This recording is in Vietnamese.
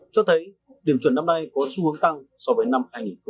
cho thấy điểm chuẩn năm nay có xu hướng tăng so với năm hai nghìn hai mươi hai